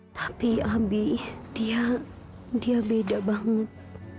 tapi ambi dia beda banget